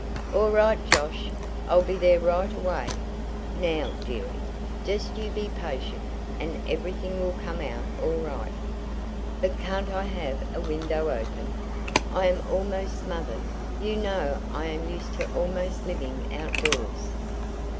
"All right, Josh. I'll be there right away. Now, dearie, jest you be patient, and everything will come out all right." "But can't I have a window open? I am almost smothered. You know I am used to almost living out doors."